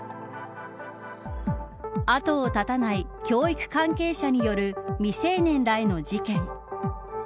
後を絶たない教育関係者による未成年らへの事件。